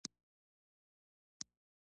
د افغانستان په منظره کې پامیر ښکاره ده.